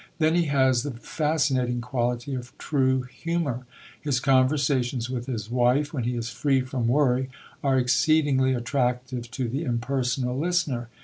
Then he has the fascinating quality of true humour. His conversations with his wife, when he is free from worry, are exceedingly attractive to the impersonal listener.